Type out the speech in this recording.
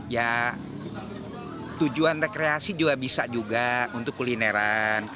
ya tujuan rekreasi juga bisa juga untuk kulineran